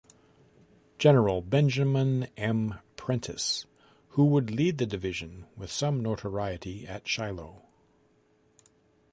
General Benjamin M. Prentiss who would lead the division with some notoriety at Shiloh.